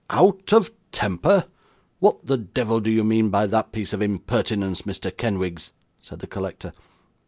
'Out of temper! What the devil do you mean by that piece of impertinence, Mr. Kenwigs?' said the collector.